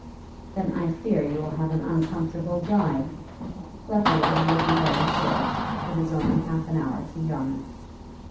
'" "Then I fear you will have an uncomfortable drive. Luckily it will be very short. It is only half an hour to Yarmouth."